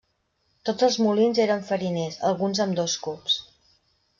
Tots els molins eren fariners, alguns amb dos cups.